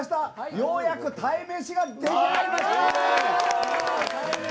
ようやく鯛めしができました！